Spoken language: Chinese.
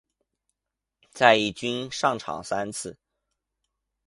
在一军上场三次。